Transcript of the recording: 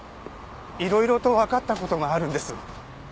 いろいろとわかった事があるんです。